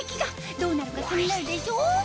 どうなるか気になるでしょ？